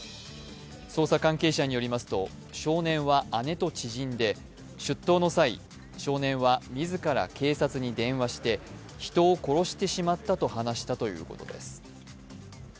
捜査関係者によりますと少年は姉と知人で出頭の際、少年は自ら警察に電話して人を殺してしまったと話したということです。